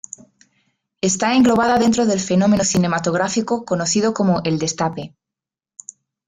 Está englobada dentro del fenómeno cinematográfico conocido como el Destape.